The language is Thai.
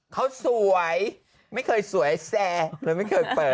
เขาสวยไม่เคยสวยแซงเลยไม่เคยเปิด